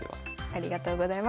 ありがとうございます。